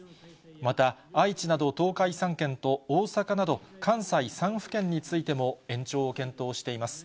また、愛知など東海３県と大阪など関西３府県についても延長を検討しています。